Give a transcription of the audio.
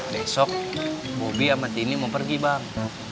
besok bobi sama tini mau pergi bang